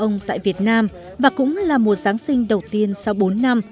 ông được trở lại với cảm giác như đang đón giáng sinh nơi quê nhà